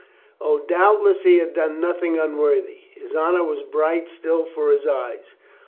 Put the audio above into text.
O, doubtless, he had done nothing unworthy. His honor was bright still for his eyes.